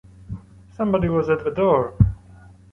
Somebody was at the door.